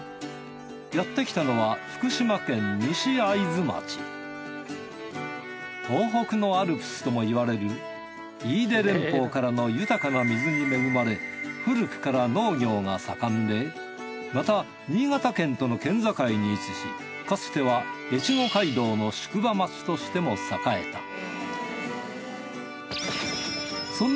やってきたのは東北のアルプスともいわれる飯豊連峰からの豊かな水に恵まれ古くから農業が盛んでまた新潟県との県境に位置しかつては越後街道の宿場町としても栄えた。